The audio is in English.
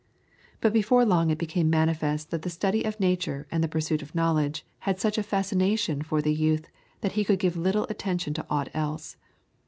But before long it became manifest that the study of nature and the pursuit of knowledge had such a fascination for the youth that he could give little attention to aught else.